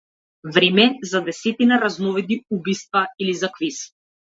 Време за десетина разновидни убиства или за квиз?